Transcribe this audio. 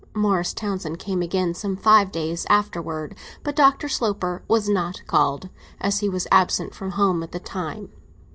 Morris Townsend came again, some five days afterwards; but Dr. Sloper was not called, as he was absent from home at the time.